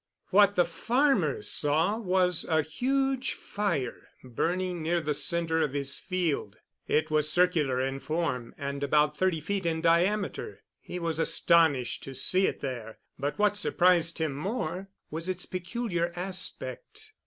What the farmer saw was a huge fire burning near the center of his field. It was circular in form and about thirty feet in diameter. He was astonished to see it there, but what surprised him more was its peculiar aspect.